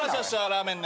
ラーメン。